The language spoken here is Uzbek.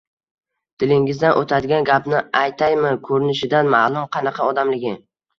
Dilingizdan o`tadigan gapni aytaymi Ko`rinishidan ma`lum qanaqa odamligi